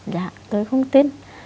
dạ tôi không tin